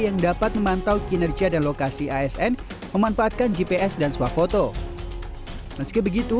yang dapat memantau kinerja dan lokasi asn memanfaatkan gps dan swafoto meski begitu